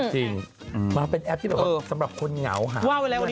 จริงมาเป็นแอปที่สำหรับคนเหงาหา